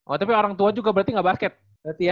oh tapi orang tua juga berarti gak basket berarti ya